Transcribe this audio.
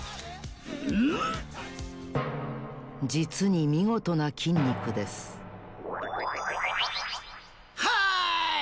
じつにみごとな筋肉ですはい！